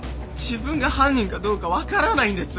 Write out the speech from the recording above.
自分が犯人かどうか分からないんです！